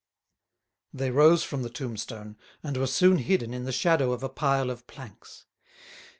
They rose from the tombstone, and were soon hidden in the shadow of a pile of planks.